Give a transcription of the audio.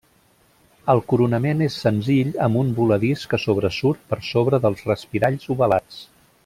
El coronament és senzill amb un voladís que sobresurt per sobre dels respiralls ovalats.